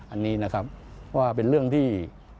อันนี้นะครับว่าเป็นเรื่องที่